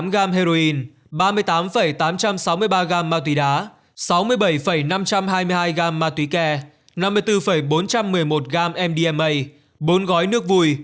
năm mươi bốn bảy mươi tám gram heroin ba mươi tám tám trăm sáu mươi ba gram mạc túy đá sáu mươi bảy năm trăm hai mươi hai gram mạc túy kè năm mươi bốn bốn trăm một mươi một gram mdma bốn gói nước vùi